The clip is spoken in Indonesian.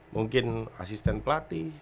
mungkin asisten pelatih